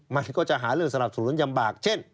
มันก็จะหาเรื่องสนับสนุนยำบากเช่น